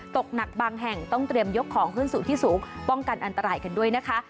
ตกหนักบางแห่งต้องเตรียมยกของขึ้นสู่ที่สูงป้องกันอันตรายกันด้วยนะคะ